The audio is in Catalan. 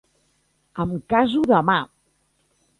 Em caso demà.